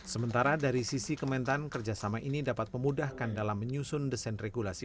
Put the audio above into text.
sementara dari sisi kementan kerjasama ini dapat memudahkan dalam menyusun desain regulasi